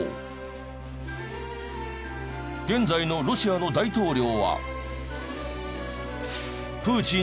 現在のロシアの大統領は。